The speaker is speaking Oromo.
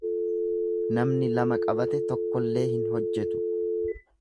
Namni lama qabate tokkollee hin hojjetu.